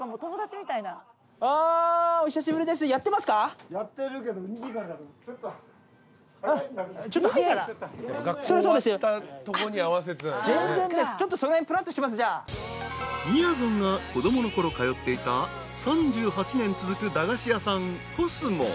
［みやぞんが子供のころ通っていた３８年続く駄菓子屋さんコスモ］